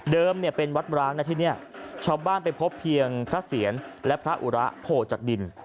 เนี่ยเป็นวัดร้างนะที่นี่ชาวบ้านไปพบเพียงพระเสียรและพระอุระโผล่จากดิน